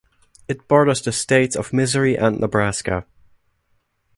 It borders the states of Missouri and Nebraska.